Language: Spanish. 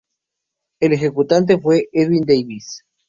El ejecutante fue Edwin Davis.